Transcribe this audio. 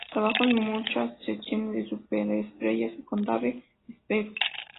Trabajó en muchas sesiones de superestrellas con Dave Stewart.